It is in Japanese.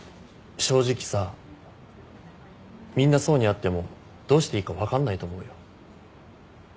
正直さみんな想に会ってもどうしていいか分かんないと思うよ。